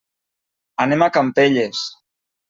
Anem a Campelles.